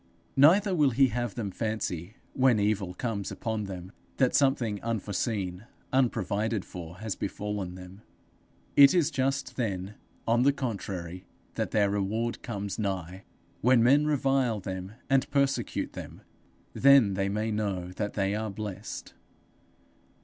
Neither will he have them fancy, when evil comes upon them, that something unforeseen, unprovided for, has befallen them. It is just then, on the contrary, that their reward comes nigh: when men revile them and persecute them, then they may know that they are blessed.